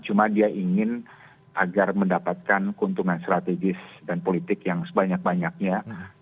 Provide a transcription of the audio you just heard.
cuma dia ingin agar mendapatkan keuntungan strategis dan politik yang sebanyak banyaknya